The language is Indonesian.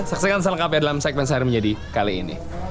saksikan selengkapnya dalam segmen sehari menjadi kali ini